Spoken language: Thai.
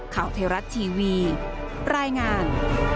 ข่าวไทยรัฐทีวีรายงาน